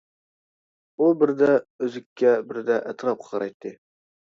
ئۇ بىردە ئۈزۈككە، بىردە ئەتراپقا قارايتتى.